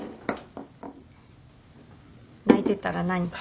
泣いてたら何？